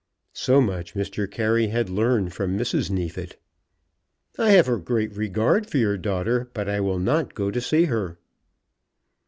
So much Mr. Carey had learned from Mrs. Neefit. "I have a great regard for your daughter, but I will not go to see her."